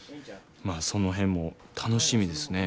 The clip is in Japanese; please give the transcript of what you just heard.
まあその辺も楽しみですね。